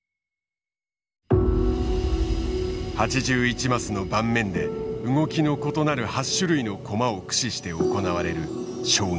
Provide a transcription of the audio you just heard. ８１マスの盤面で動きの異なる８種類の駒を駆使して行われる将棋。